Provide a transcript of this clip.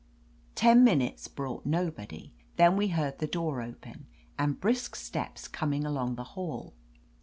Ten minutes brought nobody. Then we heard the door open, and brisk steps coming along the hall.